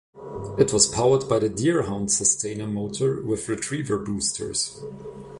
It was powered by the "Deerhound" sustainer motor, with "Retriever" boosters.